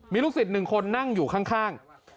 มีลูกศิษย์๑คนนั่งอยู่ข้าง